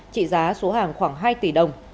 trị giá số hàng khoảng hai tỷ đồng